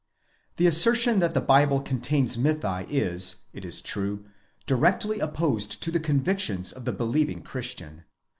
The assertion that the Bible contains mythi is, it is true, directly opposed to the convictions of the believing christian.